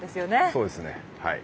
そうですねはい。